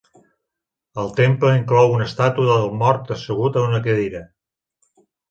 El temple inclou una estàtua del mort assegut a una cadira.